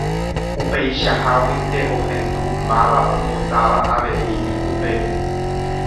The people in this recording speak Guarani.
Upeichaháguinte ohendu máva ombotáva avei ikupépe.